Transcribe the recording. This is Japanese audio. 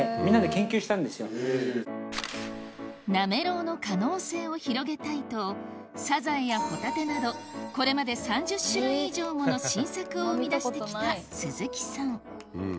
なめろうの可能性を広げたいとサザエやホタテなどこれまで３０種類以上もの新作を生み出してきた鈴木さん